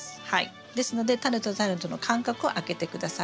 ですのでタネとタネとの間隔を空けて下さい。